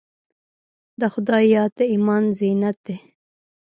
د خدای یاد د ایمان زینت دی.